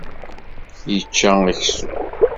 Yečča aksum.